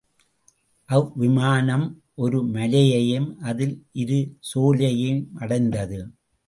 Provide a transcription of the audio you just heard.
அவ்விமானம் ஒரு மலையையும் அதில் இருந்த சோலையையும் அடைந்தது.